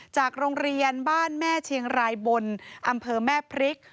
จากโรงเรียนบ้านแม่เชียงรายบนอำเภอแม่พริก